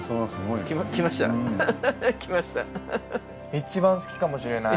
一番好きかもしれない。